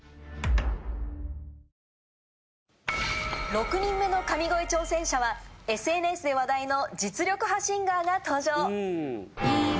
６人目の神声挑戦者はＳＮＳで話題の実力派シンガーが登場。